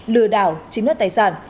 lừa đảo chính đất tài sản